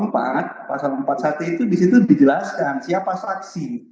pasal empat puluh satu itu disitu dijelaskan siapa saksi